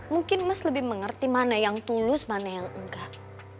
mungkin mas lebih mengerti mana yang tulus mana yang enggak